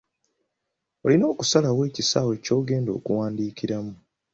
Olina okusalawo ekisaawe ky’ogenda okuwandiikiramu.